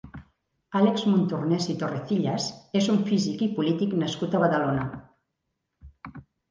Àlex Montornès i Torrecillas és un físic i polític nascut a Badalona.